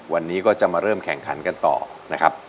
วันนี้ก็จะมาเริ่มแข่งขันกันต่อนะครับ